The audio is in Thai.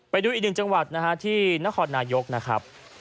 ไปดูอีกหนึ่งจังหวัดนะฮะที่นครนายกนะครับ